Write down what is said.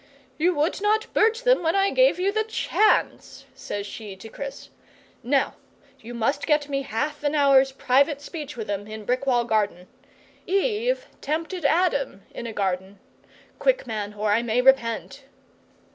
'"YOU would not birch them when I gave you the chance," says she to Chris. "Now you must get me half an hour's private speech with 'em in Brickwall garden. Eve tempted Adam in a garden. Quick, man, or I may repent!"